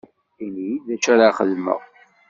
Ini-yi-d d acu ara xedmeɣ.